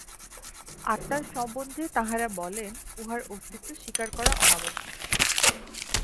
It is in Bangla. আত্মার সম্বন্ধে তাঁহারা বলেন উহার অস্তিত্ব স্বীকার করা অনাবশ্যক।